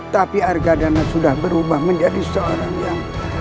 tapi argadana sudah berubah menjadi seorang yang